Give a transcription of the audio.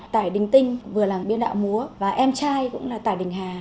tài đình tinh vừa là biên đạo múa và em trai cũng là tài đình hà